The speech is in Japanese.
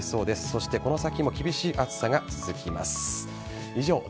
そしてこの先も厳しい暑さが続きます。